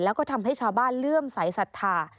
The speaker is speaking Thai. และทำให้ชาวบ้านเรื่องสัยศรรย์